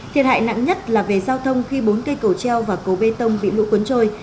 thiệt hại nặng nhất là về giao thông khi bốn cây cầu treo và cầu bê tông bị lũ cuốn trôi